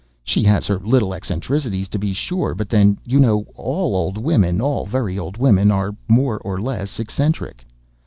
She has her little eccentricities, to be sure—but then, you know, all old women—all very old women—are more or less eccentric!"